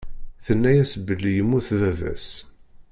Tenna-yas belli yemmut baba-s.